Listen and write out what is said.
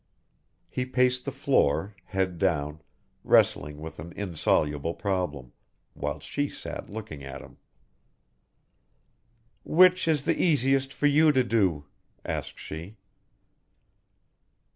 He paced the floor, head down, wrestling with an insoluble problem, whilst she sat looking at him. "Which is the easiest for you to do?" asked she.